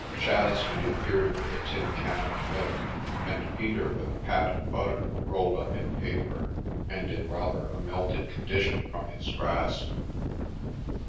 Chas reappeared with a tin can of milk, and Peter with a pat of butter rolled up in paper, and in rather 324 The View from the Attic a melted condition from his grasp.